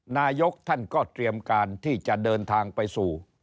นายกท่านก็เตรียมการที่จะเดินทางไปสู่